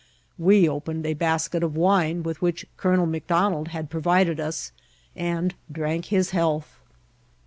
We opened a basket of wine with which Col. McDon ald had provided us, and drank his health.